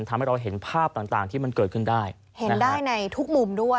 ทำให้เราเห็นภาพต่างต่างที่มันเกิดขึ้นได้เห็นได้ในทุกมุมด้วย